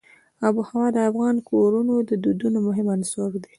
آب وهوا د افغان کورنیو د دودونو مهم عنصر دی.